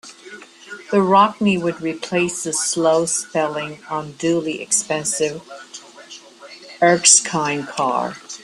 The Rockne would replace the slow-selling, unduly expensive Erskine car.